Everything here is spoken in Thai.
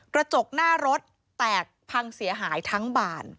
กระจกหน้ารถแตกพังเสียหายทั้งบาน